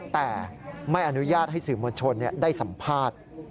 แต่ไม่อนุญาตให้สื่อมวลชนได้สัมภาษณ์